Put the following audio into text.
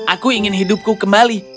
aku ingin hidupku kembali